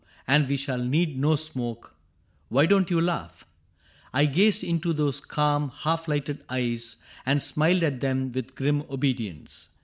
And we shall need no smoke ... Why don't you laugh ?" I gazed into those calm, half lighted eyes And smiled at them with grim obedience.